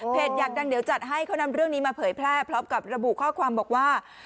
อยากดังเดี๋ยวจัดให้เขานำเรื่องนี้มาเผยแพร่พร้อมกับระบุข้อความบอกว่า